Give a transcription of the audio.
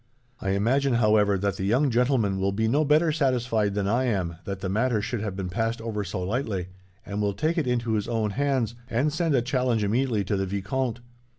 I imagine, however, that the young gentleman will be no better satisfied than I am, that the matter should have been passed over so lightly; and will take it into his own hands, and send a challenge immediately to the vicomte.